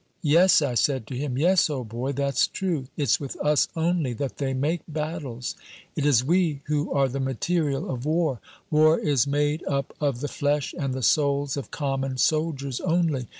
"Yes," I said to him, "yes, old boy, that's true! It's with us only that they make battles. It is we who are the material of war. War is made up of the flesh and the souls of common soldiers only.